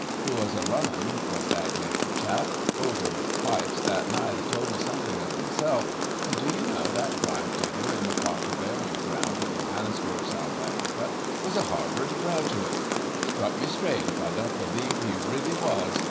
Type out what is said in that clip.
He was a rum 'un, was that Yankee chap. Over pipes that night he told me something of himself, and do y' know, that gryve digger in the pauper burying ground in Johannesburg, South Africa, was a Harvard graduate! Strike me straight if I don't believe he really was.